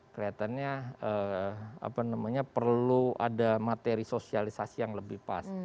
kelihatannya perlu ada materi sosialisasi yang lebih pas